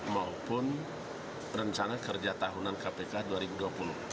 maupun rencana kerja tahunan kpk dua ribu dua puluh